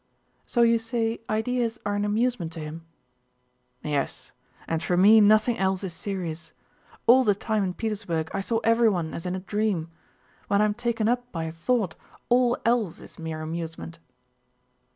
"So you say ideas are an amusement to him...." "Yes, and for me nothing else is serious. All the time in Petersburg I saw everyone as in a dream. When I am taken up by a thought, all else is mere amusement."